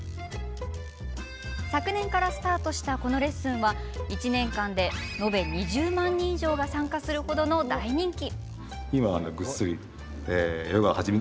昨年からスタートしたこのレッスンは１年間で延べ２０万人以上が参加する程の大人気。